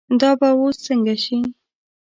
دا به اوس څنګه شي.